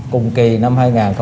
cùng kỳ năm hai nghìn hai mươi một